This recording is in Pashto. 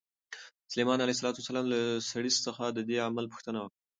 سلیمان علیه السلام له سړي څخه د دې عمل پوښتنه وکړه.